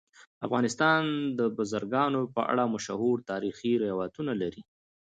افغانستان د بزګانو په اړه مشهور تاریخي روایتونه لري.